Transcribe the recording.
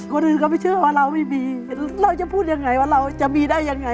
คนอื่นก็ไม่เชื่อว่าเราไม่มีเราจะพูดยังไงว่าเราจะมีได้ยังไง